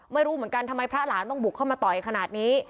ไม่รู้เหมือนกันทำไมพระหลานต้องบุกเข้ามาต่อยขนาดนี้